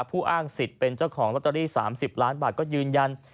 อ้างสิทธิ์เป็นเจ้าของลอตเตอรี่๓๐ล้านบาทก็ยืนยัน